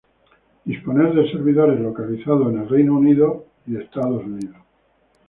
Disponen de servidores localizados en el Reino Unido y Estados Unidos.